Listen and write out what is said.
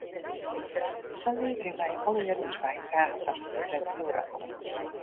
Sa leverje wij allegearre ús bydrage ta ferbettering fan de wrâld.